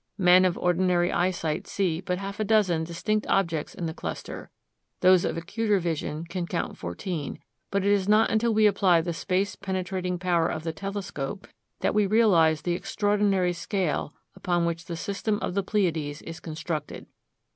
Men of ordinary eyesight see but a half dozen distinct objects in the cluster; those of acuter vision can count fourteen; but it is not until we apply the space penetrating power of the telescope that we realize the extraordinary scale upon which the system of the Pleiades is constructed.